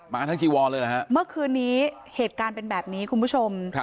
ทั้งจีวอนเลยนะฮะเมื่อคืนนี้เหตุการณ์เป็นแบบนี้คุณผู้ชม